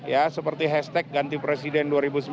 ya seperti hashtag ganti presiden dua ribu sembilan belas